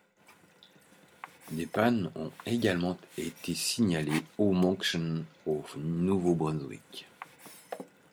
Des pannes ont également été signalés à Monction au Nouveau-Brunswick.